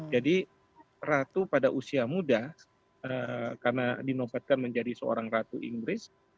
jadi ratu pada usia muda karena dinopatkan menjadi seorang ratu inggris